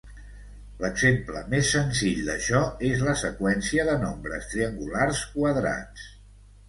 L'exemple més senzill d'això és la seqüència de nombres triangulars quadrats.